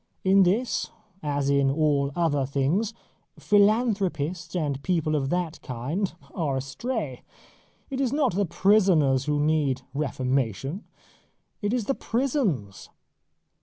In this as in all other things, philanthropists and people of that kind are astray. It is not the prisoners who need reformation. It is the prisons.